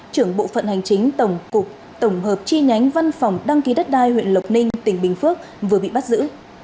trưởng bộ phận hành chính tổng hợp chi nhánh văn phòng đăng ký đất đai huyện lộc ninh tỉnh bình phước vừa bị bắt giữ